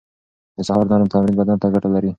د سهار نرم تمرين بدن ته ګټه لري.